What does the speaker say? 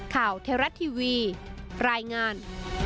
ข่าวเทราะท์ทีวีรายงาน